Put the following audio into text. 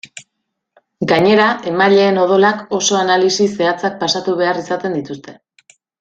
Gainera, emaileen odolak oso analisi zehatzak pasatu behar izaten dituzte.